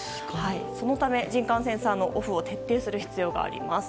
そのため、人感センサーのオフを徹底する必要があります。